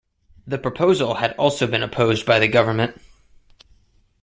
The proposal had also been opposed by the government.